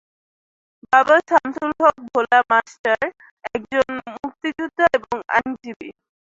বাবা শামসুল হক ভোলা মাস্টার একজন মুক্তিযোদ্ধা ও আইনজীবী।